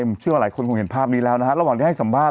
ผมเชื่อว่าหลายคนคงเห็นภาพนี้แล้วนะฮะระหว่างที่ให้สัมภาษ